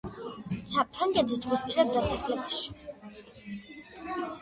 საფრანგეთის ზღვისპირა დასახლებაში.